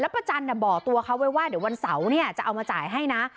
แล้วป๋าจันทร์บอกตัวว่าเดี๋ยววันเสาจะเอามาจ่ายให้นะ